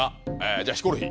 じゃあヒコロヒー。